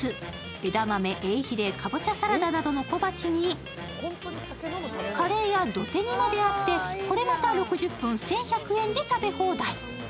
枝豆、エイヒレ、カボチャサラダなどの小鉢にカレーやどて煮まであってこれまた１１００円で食べ放題。